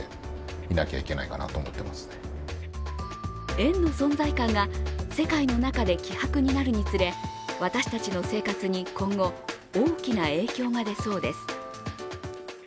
円の存在感が世界の中で希薄になるにつれ私たちの生活に今後、大きな影響が出そうです。